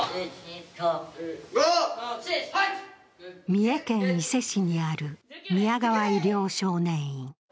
三重県伊勢市にある宮川医療少年院。